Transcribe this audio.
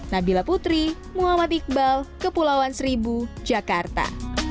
nabila putri muhammad iqbal kepulauan seribu jakarta